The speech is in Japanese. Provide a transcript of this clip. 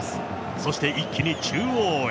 そして一気に中央へ。